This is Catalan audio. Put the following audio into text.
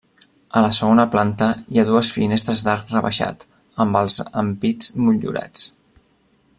A la segona planta hi ha dues finestres d'arc rebaixat, amb els ampits motllurats.